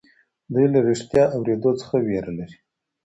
دوی له رښتيا اورېدو څخه وېره لري.